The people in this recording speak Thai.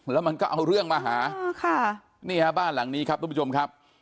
แล้วมันก็เอาเรื่องมาหาค่ะนี่ฮะบ้านหลังนี้ครับทุกผู้ชมครับ